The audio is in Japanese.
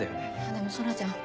でも空ちゃん